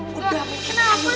kenapa sih nggak mau olah ibu